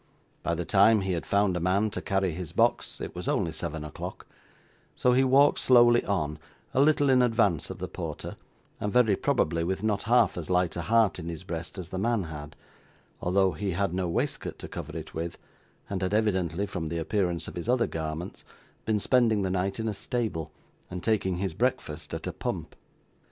By the time he had found a man to carry his box it was only seven o'clock, so he walked slowly on, a little in advance of the porter, and very probably with not half as light a heart in his breast as the man had, although he had no waistcoat to cover it with, and had evidently, from the appearance of his other garments, been spending the night in a stable, and taking his breakfast at a pump.